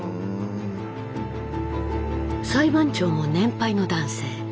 うん。裁判長も年配の男性。